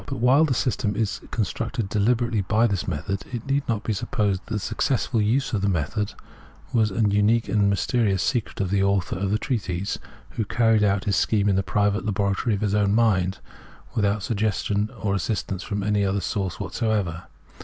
But while the system is constructed dehberately by thi« method, it need not be supposed that the successful use of the method was an unique and mysterious secret of the author of the treatise, who carried out his scheme in the private laboratory of his own mind, without suggestion or assistance from any other source what soever.